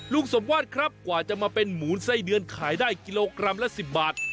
สมวาดครับกว่าจะมาเป็นหมูไส้เดือนขายได้กิโลกรัมละ๑๐บาท